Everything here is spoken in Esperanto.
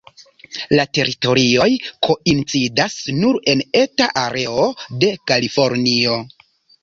La teritorioj koincidas nur en eta areo de Kalifornio.